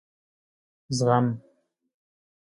زغم ....